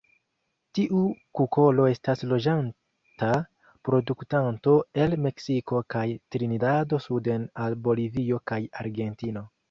Tiu kukolo estas loĝanta reproduktanto el Meksiko kaj Trinidado suden al Bolivio kaj Argentino.